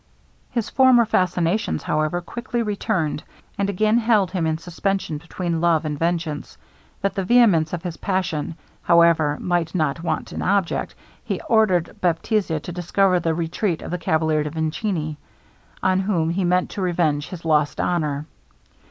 His former fascinations, however, quickly returned, and again held him in suspension between love and vengeance. That the vehemence of his passion, however, might not want an object, he ordered Baptista to discover the retreat of the Cavalier de Vincini on whom he meant to revenge his lost honor.